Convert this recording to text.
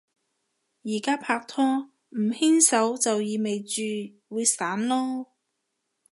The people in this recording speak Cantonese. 而家拍拖，唔牽手就意味住會散囉